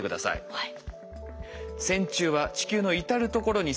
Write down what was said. はい。